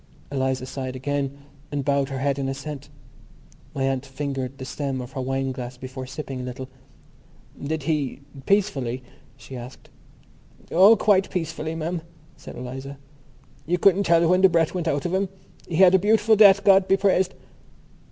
Eliza sighed again and bowed her head in assent. My aunt fingered the stem of her wine glass before sipping a little. "Did he ... peacefully?" she asked. "Oh, quite peacefully, ma'am," said Eliza. "You couldn't tell when the breath went out of him. He had a beautiful death, God be praised."